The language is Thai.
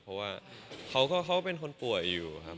เพราะว่าเขาก็เป็นคนป่วยอยู่ครับ